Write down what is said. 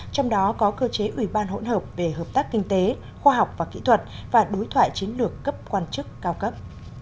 trong đó có cơ chế ủy ban hỗn hợp về hợp tác kinh tế khoa học và kỹ thuật và đối thoại chiến lược cấp quan chức cao cấp